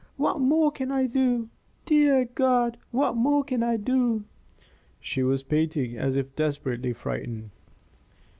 What more can I do? Dear God! What more can I do?" She was panting as if desperately frightened.